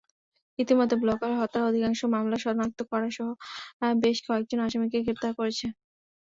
ইতিমধ্যে ব্লগার হত্যার অধিকাংশ মামলা শনাক্ত করাসহ বেশ কয়েকজন আসামিকে গ্রেপ্তার করেছে।